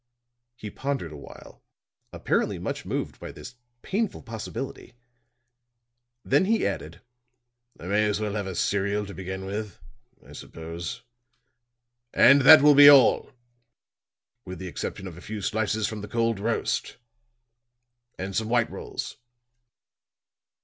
He pondered awhile, apparently much moved by this painful possibility; then he added: "I may as well have a cereal to begin with, I suppose. And that will be all with the exception of a few slices from the cold roast and some white rolls."